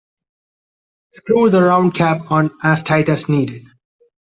Screw the round cap on as tight as needed.